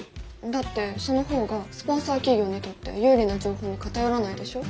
だってその方がスポンサー企業にとって有利な情報に偏らないでしょ。